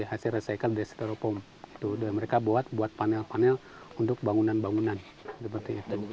hasil recycle dari steropom itu dan mereka buat buat panel panel untuk bangunan bangunan seperti itu